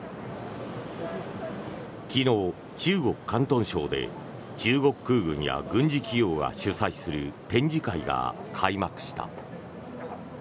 昨日、中国・広東省で中国空軍や軍事企業が主催する展示会が開幕した。